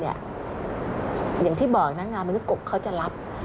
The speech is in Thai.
อย่างที่บอกนักงานมันก็กกเขาจะรับ